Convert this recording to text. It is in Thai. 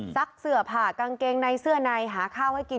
เสือผ่ากางเกงในเสื้อในหาข้าวให้กิน